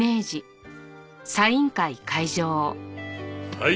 はい。